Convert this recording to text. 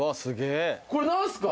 これ何すか？